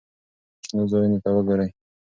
شنو ځایونو ته وګورئ.